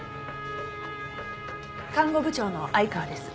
看護部長の愛川です。